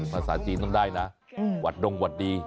ภาษาจีนต้องได้นะวัดดงวัดดี